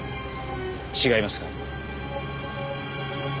違いますか？